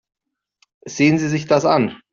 Sehen Sie sich das an.